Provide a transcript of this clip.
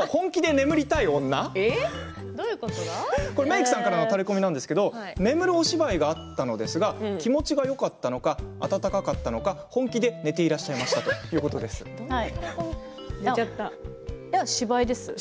メークさんからのタレコミなんですけれども眠るお芝居があったのですが気持ちがよかったのか暖かかったのか本気で寝ていらっしゃいましたいや芝居です。